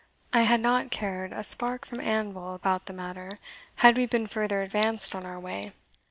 I had not cared a spark from anvil about the matter had we been further advanced on our way.